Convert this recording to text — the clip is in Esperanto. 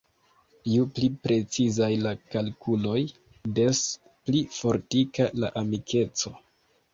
Ju pli precizaj la kalkuloj, des pli fortika la amikeco.